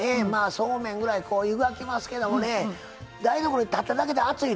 そうめんぐらい湯がきますけどもね台所に立っただけで暑いでしょ。